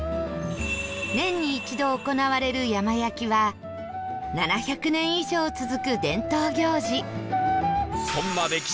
年に１度行われる山焼きは７００年以上続く伝統行事